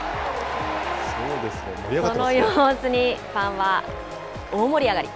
その様子にファンは大盛り上がり。